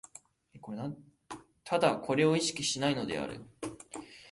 唯これを意識しないのである。